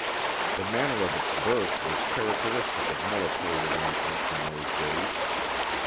The manner of its birth was characteristic of military arrangements in those days.